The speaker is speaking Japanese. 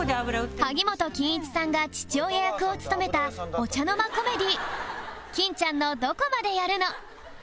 萩本欽一さんが父親役を務めたお茶の間コメディー『欽ちゃんのどこまでやるの！』